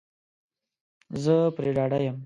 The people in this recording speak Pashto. زه پری ډاډه یم